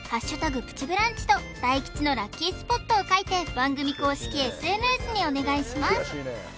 プチブランチと大吉のラッキースポットを書いて番組公式ＳＮＳにお願いします